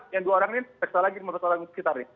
yang dua orang ini periksa lagi lima belas orang di sekitarnya